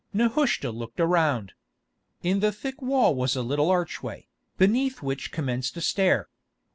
Nehushta looked around. In the thick wall was a little archway, beneath which commenced a stair.